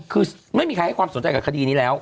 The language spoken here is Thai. คือไม่มีใครให้ความสนใจกับคดีนี้แล้ว